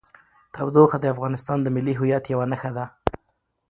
تودوخه د افغانستان د ملي هویت یوه نښه ده.